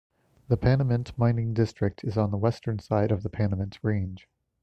The Panamint Mining District is on the western side of the Panamint Range.